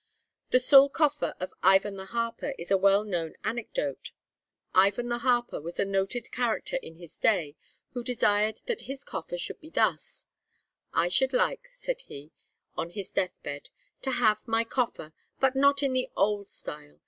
The Sul Coffa of Ivan the Harper is a well known anecdote. Ivan the Harper was a noted character in his day, who desired that his coffa should be thus: 'I should like,' said he, on his death bed, 'to have my coffa; but not in the old style.